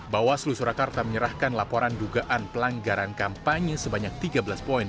bawaslu surakarta menyerahkan laporan dugaan pelanggaran kampanye sebanyak tiga belas poin